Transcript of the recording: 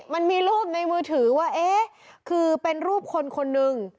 มันมีรูปในมือถือว่าเอ๊ะคือเป็นรูปคนคนนึง